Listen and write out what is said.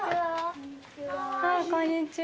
こんにちは。